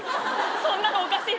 そんなのおかしい。